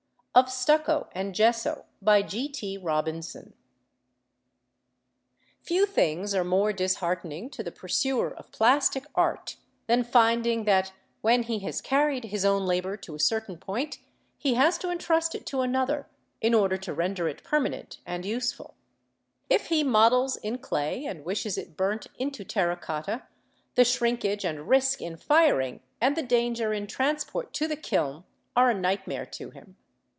OF STUCCO AND GESSO Few things are more disheartening to the pursuer of plastic art than finding that, when he has carried his own labour to a certain point, he has to entrust it to another in order to render it permanent and useful. If he models in clay and wishes it burnt into terra cotta, the shrinkage and risk in firing, and the danger in transport to the kiln, are a nightmare to him.